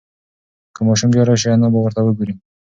که ماشوم بیا راشي انا به ورته وگوري.